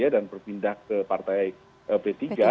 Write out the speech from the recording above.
dan berpindah ke partai b tiga